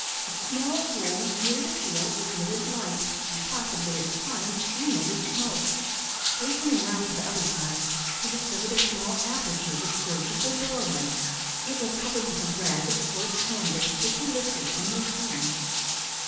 A small hole near the keel admitted light, and possibly, at times, emitted smoke. Hastening round to the other side, he discovered a small aperture, which served as a doorway. It was covered with a rag of coarse canvas, which he lifted, and looked in.